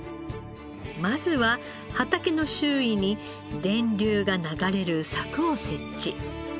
まずは畑の周囲に電流が流れる柵を設置。